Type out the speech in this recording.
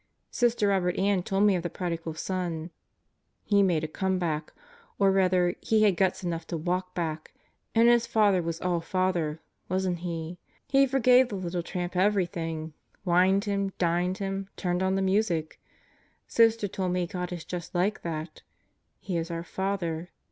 Sister Robert Ann told me of the Prodigal Son. He made a comeback. Or rather, he had guts enough to walk back; and his father was all father, wasn't he? He forgave the little tramp everything. Wined him. Dined him. Turned on the music. Sister told me God is just like that. He is our Father.